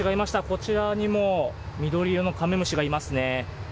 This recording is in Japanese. こちらにも緑色のカメムシがいますね。